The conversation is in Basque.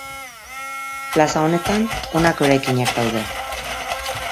Plaza honetan honako eraikinak daude.